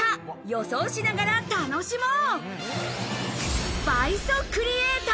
予想しながら楽しもう！